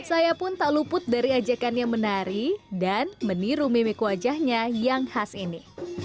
saya pun tak luput dari ajakannya menari dan meniru mimik wajahnya yang khas ini